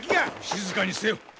静かにせよ。